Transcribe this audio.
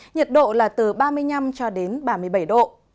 nhiệt độ là từ ba mươi năm ba mươi bảy độ